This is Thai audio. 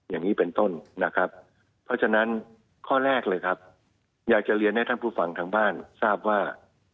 อย่างนี้เป็นต้นนะครับเพราะฉะนั้นข้อแรกเลยครับอยากจะเรียนให้ท่านผู้ฟังทางบ้านทราบว่า